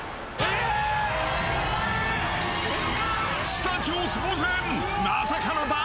⁉スタジオ騒然！